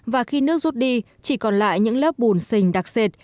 và khi nước rút đi chỉ còn lại những lớp bùn xình đặc xệt